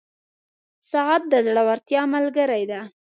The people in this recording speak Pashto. • ساعت د زړورتیا ملګری دی.